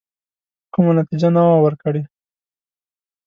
کومه نتیجه نه وه ورکړې.